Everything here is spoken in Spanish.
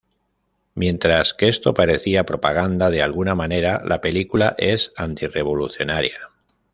Mientras que esto parecería propaganda, de alguna manera la película es anti-revolucionaria.